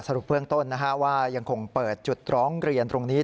รุปเบื้องต้นว่ายังคงเปิดจุดร้องเรียนตรงนี้